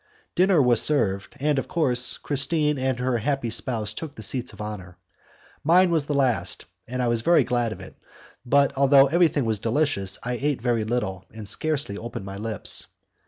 Dinner was served, and, of course, Christine and her happy spouse took the seats of honour. Mine was the last, and I was very glad of it, but although everything was delicious, I ate very little, and scarcely opened my lips.